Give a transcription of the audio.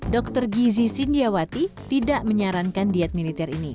dr gizi sindiawati tidak menyarankan diet militer ini